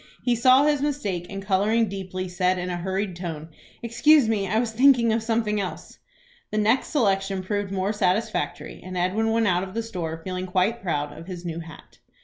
He saw his mistake, and, coloring deeply, said, in a hurried tone, "Excuse me; I was thinking of something else." The next selection proved more satisfactory, and Edwin went out of the store feeling quite proud of his new hat.